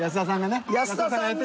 安田さんが。